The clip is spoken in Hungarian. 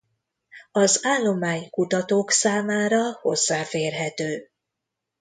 Az állomány kutatók számára hozzáférhető.